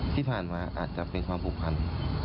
ที่ผ่านมาอาจจะเป็นความผูกพัน